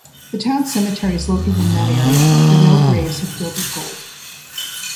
The town cemetery is located in that area, but no graves have yielded gold.